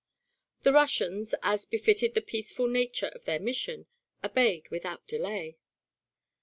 The Russians, as befitted the peaceful nature of their mission, obeyed without delay.